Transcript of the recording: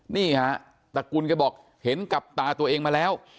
นี่ฮะตระกุลแกบอกเห็นกับตาตัวเองมาแล้ว